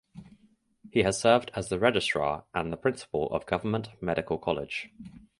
He has served as the registrar and the principal of Government Medical College.